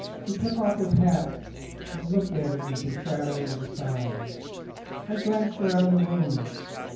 He took off his hat and looked at it with the shadow of a sigh. I glanced round the room.